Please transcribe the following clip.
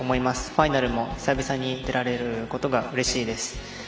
ファイナルも出られることがうれしいです。